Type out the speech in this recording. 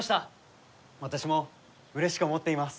私もうれしく思っています。